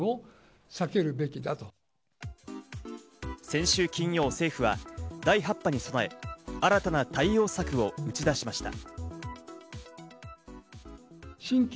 先週金曜、政府は第８波に備え、新たな対応策を打ち出しました。